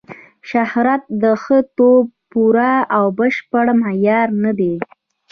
شهرت د ښه توب پوره او بشپړ معیار نه دی.